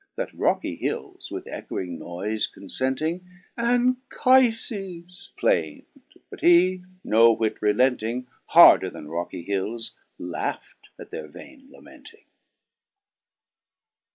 That rocky hills, with ecchoing noyfe confenting, Anchifes plain'd ; but he, no whit relenting. Harder then rocky hils, laught at their vaine lamenting.